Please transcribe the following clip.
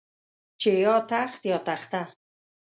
چې يا تخت يا تخته.